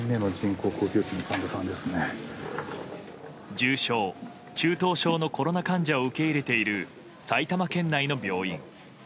重症・中等症のコロナ患者を受け入れている埼玉県内の病院。